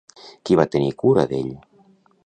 Qui va tenir cura d'ell?